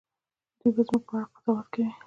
دوی به زموږ په اړه قضاوت کوي.